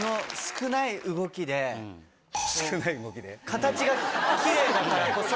形がキレイだからこそ。